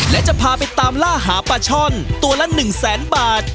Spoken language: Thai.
และจะพาไปตามล่าหาปลาช่อนตัวละ๑แสนบาท